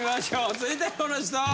続いてはこの人。